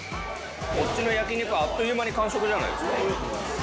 こっちの焼き肉あっという間に完食じゃないですか。